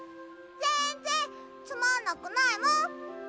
ぜんぜんつまんなくないもん！